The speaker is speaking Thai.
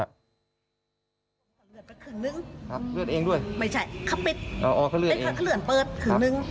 แผ่นอันนั้นเป็นตอนเลื่อน